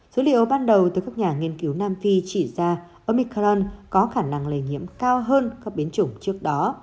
dữ liệu ban đầu từ các nhà nghiên cứu nam phi chỉ ra omicron có khả năng lây nhiễm cao hơn các biến chủng trước đó